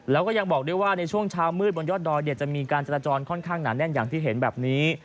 แล้วก็ยังบอกด้วยว่าในช่วงเช้ามืดบนยอดดอยจะมีการจราจรค่อนข้างหนาแน่นอย่างที่เห็นแบบนี้